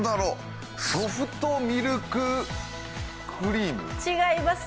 ソフトミルククリーム？違います。